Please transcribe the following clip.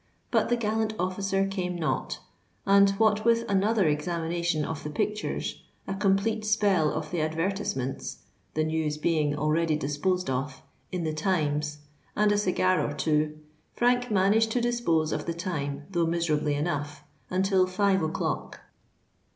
But the gallant officer came not; and, what with another examination of the pictures, a complete spell of the advertisements (the news being already disposed of) in the Times, and a cigar or two, Frank managed to dispose of the time, though miserably enough, until five o'clock.